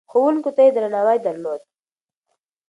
ښوونکو ته يې درناوی درلود.